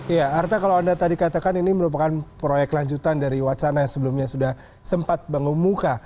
ya arta kalau anda tadi katakan ini merupakan proyek lanjutan dari wacana yang sebelumnya sudah sempat bangun muka